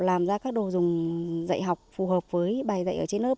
làm ra các đồ dùng dạy học phù hợp với bài dạy ở trên lớp